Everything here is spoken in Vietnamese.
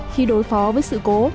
khi đối phó với sự cố